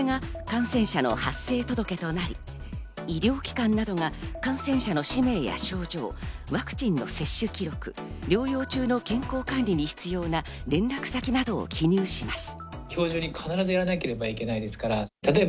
これが感染者の発生届となり、医療機関などが感染者の氏名や症状、ワクチンの接種記録、療養中の健康管理に必要な連絡先などを記入します。